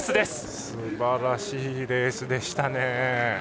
すばらしいレースでしたね。